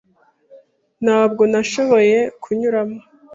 Ntabwo nashoboye kunyuramo.